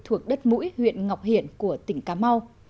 thuộc đất mũi huyện ngọc hiển của tỉnh cà mau